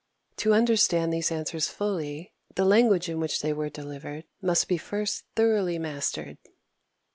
To understand these answers fully, the language in which they were delivered must be first thoroughly mastered.